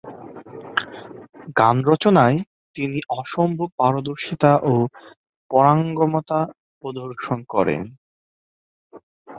গান রচনায় তিনি অসম্ভব পারদর্শিতা ও পারঙ্গমতা প্রদর্শন করেন।